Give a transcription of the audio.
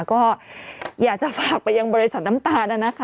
ก็อยากจะฝากไปยังบริษัทน้ำตาลนะคะ